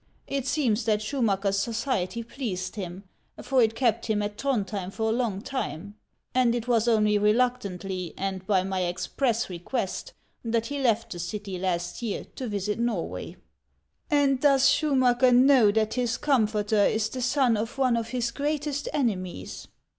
It seems that Schumacker's society pleased him, for it kept him at Throndhjem for a long time ; and it was only reluctantly, and by my express request, that he left the city last year to visit Norway." 80 HANS OF ICELAND. " And does Schumacker know that his comforter is the son of one of his greatest enemies